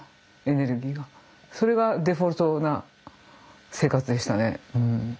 それがデフォルトな生活でしたね。